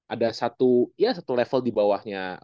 ada satu level di bawahnya